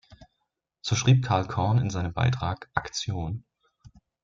So schrieb Karl Korn in seinem Beitrag "Aktion?